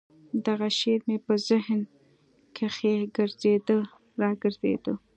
دغه شعر مې په ذهن کښې ګرځېده راګرځېده.